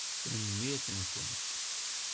Tanemmirt-nkent!